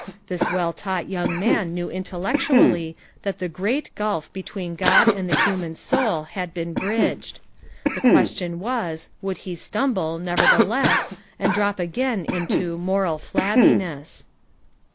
This well taught young man knew intellectually that the great gulf between God and the human soul had been bridged. The question was would he stumble, nevertheless, and drop again into "moral flabbiness."